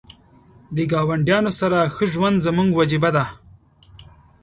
د ګاونډیانو سره ښه ژوند زموږ وجیبه ده .